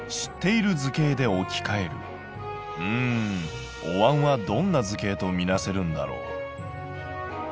うんおわんはどんな図形とみなせるんだろう。